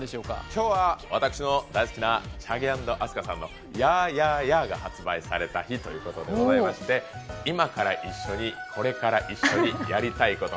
今日は私の大好きなＣＨＡＧＥａｎｄＡＳＫＡさんの「ＹＡＨＹＡＨＹＡＨ」が発売された日ということでございまして、今から一緒に、これから一緒にやりたいこと。